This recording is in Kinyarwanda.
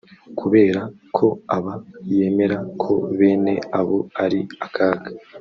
kubera ko aba yemera ko bene abo ari akaga